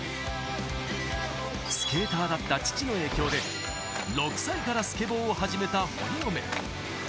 スケーターだった父の影響で、６歳からスケボーを始めた堀米。